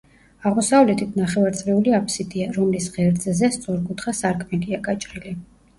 აღმოსავლეთით ნახევარწრიული აფსიდია, რომლის ღერძზე სწორკუთხა სარკმელია გაჭრილი.